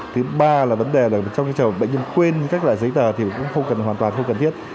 thứ ba là vấn đề là trong trường bệnh nhân quên các loại giấy tờ thì cũng không cần hoàn toàn không cần thiết